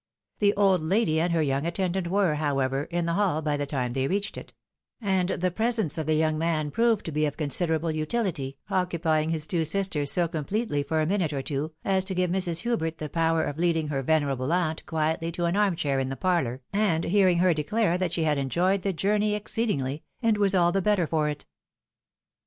The old lady and her' young attendant were, however, in the hall by the time they reached it ; and the presence of the young man proved to be of considerable utOity, occupying his two sisters so completely for a minute or two, as to give Mrs. Hubert the power of leading her venerable aunt quietly to an arm chair in the parlour, and hearing her declare that she had enjoyed the journey exceedingly, and was all the better for it.